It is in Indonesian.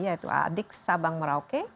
yaitu adik sabang merauke